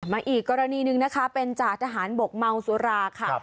อีกกรณีหนึ่งนะคะเป็นจ่าทหารบกเมาสุราค่ะ